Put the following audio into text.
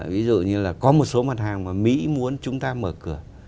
ví dụ như là có một số mặt hàng mà mỹ muốn chúng ta mở cửa